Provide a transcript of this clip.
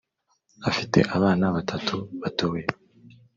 afite abana batatu batoya.